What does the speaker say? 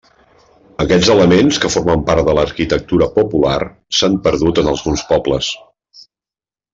Aquests elements que formen part de l'arquitectura popular s'han perdut en alguns pobles.